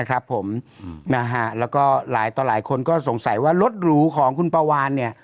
และลายต่อคนก็ตอสงสัยว่ารถหรูของคุณพวาวาน